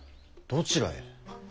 どちらへ。